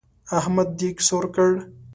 احمد دېګ سور کړ.